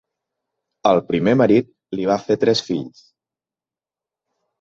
El primer marit li va fer tres fills.